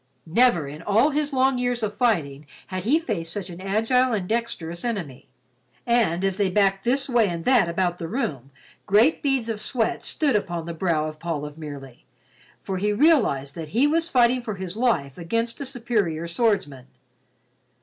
Never in all his long years of fighting had he faced such an agile and dexterous enemy, and as they backed this way and that about the room, great beads of sweat stood upon the brow of Paul of Merely, for he realized that he was fighting for his life against a superior swordsman.